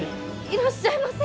いらっしゃいませ。